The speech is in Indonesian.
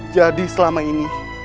jadi selama ini